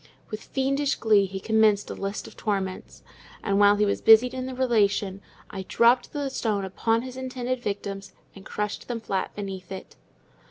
With fiendish glee he commenced a list of torments; and while he was busied in the relation, I dropped the stone upon his intended victims and crushed them flat beneath it.